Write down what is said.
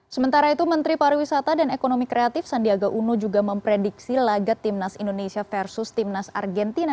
sementara itu menteri pariwisata dan ekonomi kreatif sandiaga uno juga memprediksi laga timnas indonesia versus timnas argentina